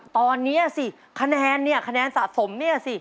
ตอนนี้สิคะแนนเนี่ยคะแนนสะสมเนี่ยสิ